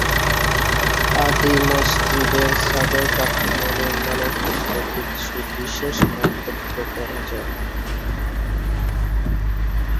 আদি মসজিদের ছাদের কাঠামো নির্মাণের ক্ষেত্রে কিছু বিশেষ মন্তব্য করা যায়।